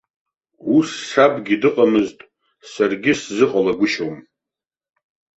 Ус сабгьы дыҟамызт, саргьы сзыҟалагәышьом.